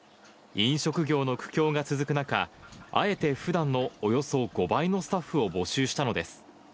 飲食業の苦境が続く中、あえてふだんのおよそ５倍のスタッフを募集したのです。